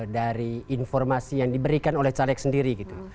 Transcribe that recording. dari informasi yang diberikan oleh caleg sendiri gitu